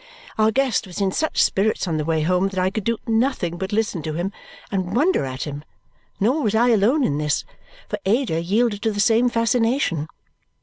Our guest was in such spirits on the way home that I could do nothing but listen to him and wonder at him; nor was I alone in this, for Ada yielded to the same fascination.